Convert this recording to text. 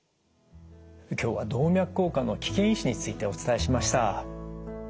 今日は動脈硬化の危険因子についてお伝えしました。